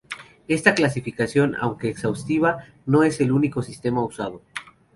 Esta clasificación, aunque exhaustiva, no es el único sistema usado.